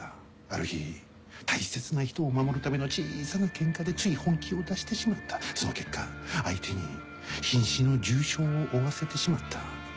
ある日大切な人を守るための小さなケンカでつい本気を出してしまったその結果相手に瀕死の重傷を負わせてしまった。